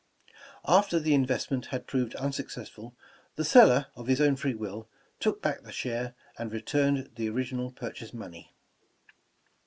After the investment had proved unsuccessful, the seller, of his own free will, took back the share and returned the original purchase money.